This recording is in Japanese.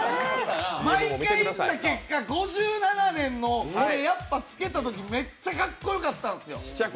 毎回見た結果、５７年のこれ、やっぱつけたときに、めっちゃかっこよかったんですよ。